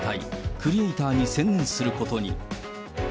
クリエーターに専念することに。